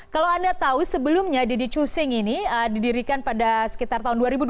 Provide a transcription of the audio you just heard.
kalau anda tahu sebelumnya didi chusing ini didirikan pada sekitar tahun dua ribu dua belas